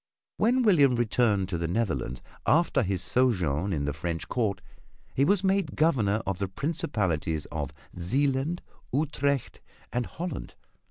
When William returned to the Netherlands after his sojourn in the French court he was made Governor of the principalities of Zeeland, Utrecht and Holland.